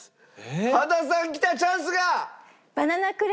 羽田さんきたチャンスが！